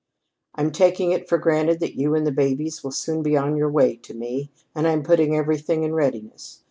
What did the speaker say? "I'm taking it for granted that you and the babies will soon be on your way to me, and I'm putting everything in readiness.